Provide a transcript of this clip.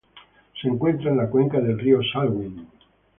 Se encuentra en la cuenca del río Salween.